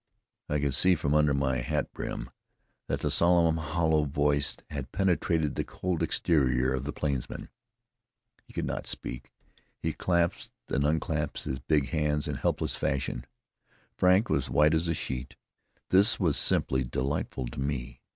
I could see from under my hat brim that the solemn, hollow voice had penetrated the cold exterior of the plainsman. He could not speak; he clasped and unclasped his big hands in helpless fashion. Frank was as white as a sheet. This was simply delightful to me.